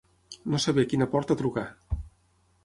No saber a quina porta trucar.